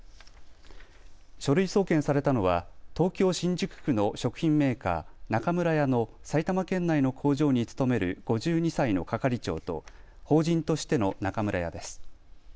書類送検されたのは東京新宿区の食品メーカー、中村屋の埼玉県内の工場に勤める５２歳の係長と法人としての中村屋です。